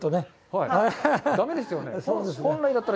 だめですよね？